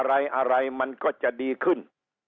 อะไรอะไรมันก็จะดีขึ้น